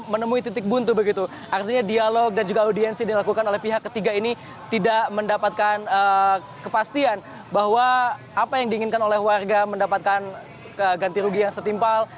menemui titik buntu begitu artinya dialog dan juga audiensi dilakukan oleh pihak ketiga ini tidak mendapatkan kepastian bahwa apa yang diinginkan oleh warga mendapatkan ganti rugi yang setimpal